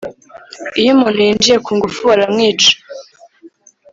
Iyo umuntu yinjiye ku ngufu baramwica